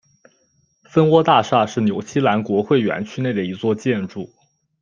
蜂窝大厦是纽西兰国会园区内的一座建筑。